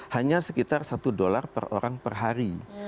hanya sekitar satu dolar per orang per hari